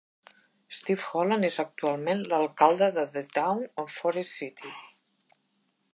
Steve Holland és actualment l'alcalde de The Town of Forest City.